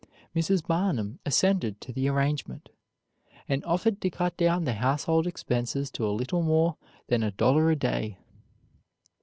Mrs. Barnum assented to the arrangement, and offered to cut down the household expenses to a little more than a dollar a day.